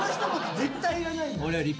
絶対いらない。